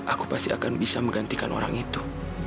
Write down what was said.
aku pasti akan bisa menggantikan orang itu